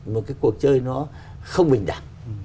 một cái cuộc chơi nó không bình đẳng